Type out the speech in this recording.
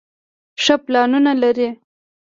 ښۀ پلانونه لري